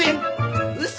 嘘！